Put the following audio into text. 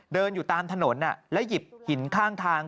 เดินอยู่ตามถนนแล้วหยิบหินข้างทาง